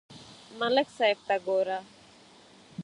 ملک صاحب ته گوره